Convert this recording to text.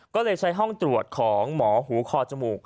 ก็เลยใช้ห้องตรวจของหมอหูคอจมูก